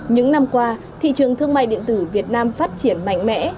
những năm qua thị trường thương mại điện tử việt nam phát triển mạnh mẽ